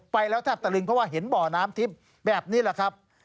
ไปแล้วแทบตะลึงเพราะว่าเห็นบ่อน้ำทิพย์แบบนี้แหละครับ